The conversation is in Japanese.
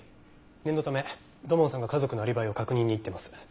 念のため土門さんが家族のアリバイを確認に行ってます。